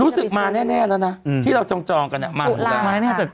รู้สึกมาแน่แล้วนะที่เราจองกันมาหมดแล้ว